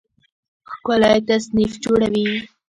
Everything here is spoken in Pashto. ښکلی تصنیف جوړوي